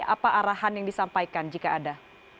apa arahan yang disampaikan jika ada